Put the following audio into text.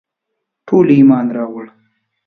ټولو ایمان راووړ.